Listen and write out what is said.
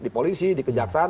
di polisi di kejaksaan